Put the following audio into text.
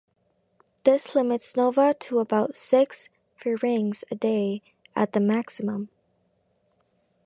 This limits Nova to about six firings a day at the maximum.